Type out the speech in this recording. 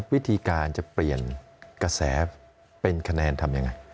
วิธีการจะเปลี่ยนกระแสเป็นคะแนนทำยังไง